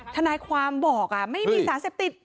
ทนายความบอกไม่มีสารเสพติด